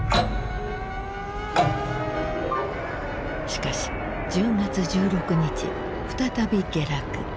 しかし１０月１６日再び下落。